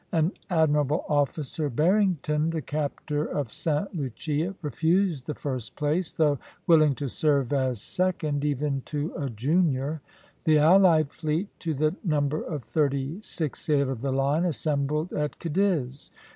An admirable officer, Barrington, the captor of Sta. Lucia, refused the first place, though willing to serve as second, even to a junior. The allied fleet, to the number of thirty six sail of the line, assembled at Cadiz.